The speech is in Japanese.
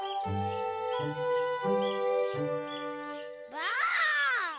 ばあっ！